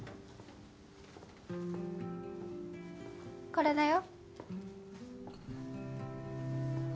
これだよ。